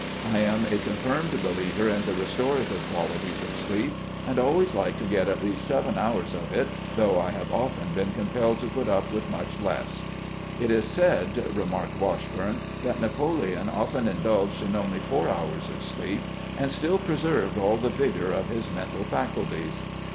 I am a confirmed believer in the restorative qualities of sleep, and always like to get at least seven hours of it, though I have often been compelled to put up with much less." " It is said," re marked Washburne, " that Napoleon often indulged in only four hours of sleep, and still preserved all the CONFEEENCE BETWEEN GRANT AND MEADE 55 vigor of his mental faculties."